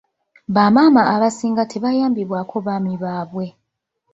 Bamaama abasinga tebayambibwako baami baabwe.